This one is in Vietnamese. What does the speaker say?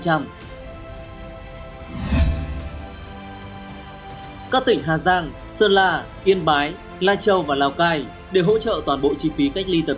các tỉnh hà giang sơn la yên bái lai châu và lào cai đều hỗ trợ toàn bộ chi phí cách ly tập